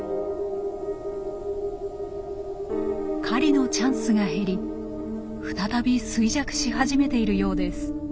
狩りのチャンスが減り再び衰弱し始めているようです。